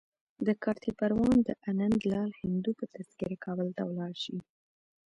د کارته پروان د انندلال هندو په تذکره کابل ته ولاړ شي.